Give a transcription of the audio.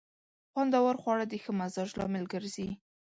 خوندور خواړه د ښه مزاج لامل ګرځي.